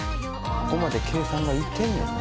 「ここまで計算がいってんねんな」